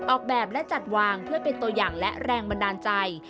ออกแบบและจัดวางเพื่อเป็นตัวอย่างและแรงบันดาลใจ